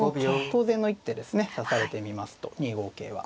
当然の一手ですね指されてみますと２五桂は。